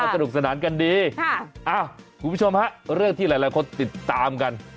สนุกสนานกันดีคุณผู้ชมฮะเรื่องที่หลายคนติดตามกัน